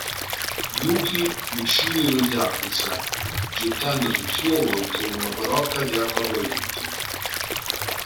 Yuki uccide lo yakuza, gettando sul suo volto una brocca di acqua bollente.